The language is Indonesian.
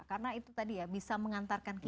karena itu tadi ya bisa mengantarkan kita